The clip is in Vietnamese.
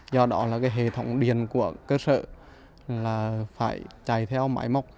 do đó là hệ thống điền của cơ sở phải cháy theo máy móc